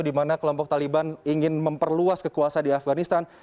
di mana kelompok taliban ingin memperluas kekuasaan di afganistan